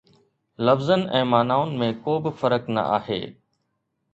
لفظن ۽ معنائن ۾ ڪو به فرق نه آهي